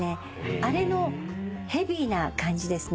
あれのヘビーな感じですね。